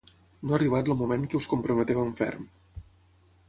No ha arribat el moment que us comprometeu en ferm.